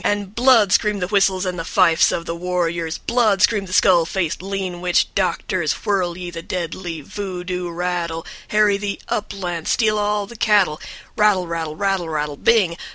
And "BLOOD" screamed the whistles and the fifes of the warriors, "BLOOD" screamed the skull faced, lean witch doctors, "Whirl ye the deadly voo doo rattle, Harry the uplands, Steal all the cattle, Rattle rattle, rattle rattle, Bing.